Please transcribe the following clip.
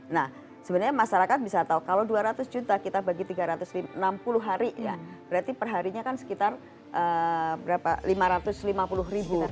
nah sebenarnya masyarakat bisa tahu kalau dua ratus juta kita bagi tiga ratus enam puluh hari ya berarti perharinya kan sekitar berapa lima ratus lima puluh ribu